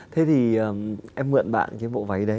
thế thì em mượn bạn cái bộ váy đấy